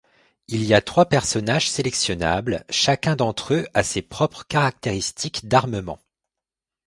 Il y a trois personnages sélectionnables, chacun d'entre eux a ses propres caractéristiques d'armement.